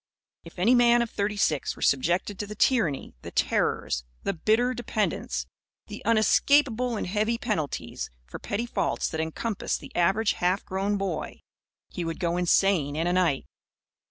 If any man of thirty six were subjected to the tyranny, the terrors, the bitter dependence, the unescapable and heavy penalties for petty faults that encompass the average half grown boy, he would go insane in a night.